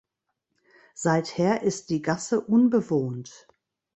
Seither ist die Gasse unbewohnt.